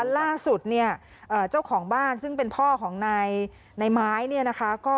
ล่าสุดเจ้าของบ้านซึ่งเป็นพ่อที่เป็นม้าย